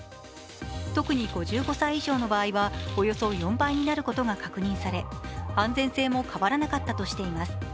特に５５歳以上の場合はおよそ４倍になることが確認され安全性も変わらなかったとしています。